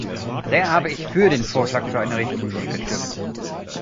Daher habe ich für den Vorschlag für eine Richtlinie gestimmt.